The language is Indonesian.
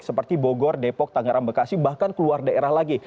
seperti bogor depok tangerang bekasi bahkan keluar daerah lagi